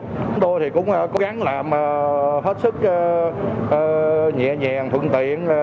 chúng tôi thì cũng cố gắng làm hết sức nhẹ nhàng thuận tiện